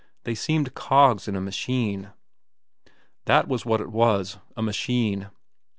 They seemed cogs in a machine. That was what it was, a machine.